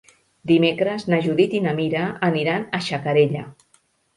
Dimecres na Judit i na Mira aniran a Xacarella.